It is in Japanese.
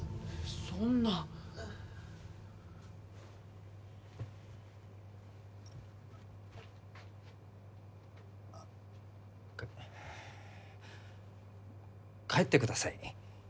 そんな帰ってください